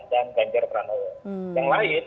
dan ganjar pranowo yang lain